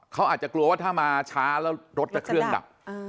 เขาอาจจะกลัวว่าถ้ามาช้าแล้วรถจะเครื่องดับ